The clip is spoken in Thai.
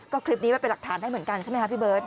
ก็คลิปนี้ไว้เป็นหลักฐานให้เหมือนกันใช่ไหมคะพี่เบิร์ต